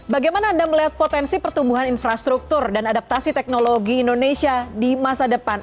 bagaimana anda melihat potensi pertumbuhan infrastruktur dan adaptasi teknologi indonesia di masa depan